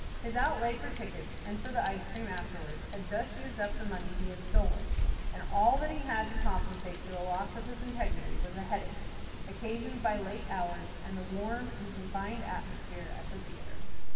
His outlay for tickets and for the ice cream afterwards had just used up the money he had stolen, and all that he had to compensate for the loss of his integrity was a headache, occasioned by late hours, and the warm and confined atmosphere at the theatre.